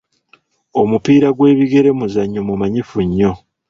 Omupiira gw'ebigere muzannyo mumanyifu nnyo.